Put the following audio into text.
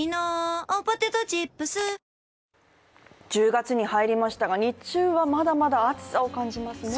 １０月に入りましたが、日中はまだまだ暑さを感じますね。